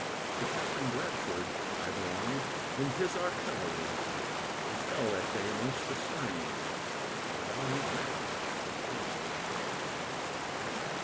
To Captain Bradford I belonged, in his artillery, He fell that day amongst the slain, a valiant man was he.